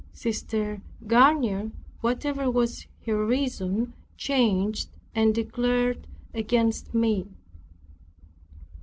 Sister Garnier, whatever was her reason, changed and declared against me.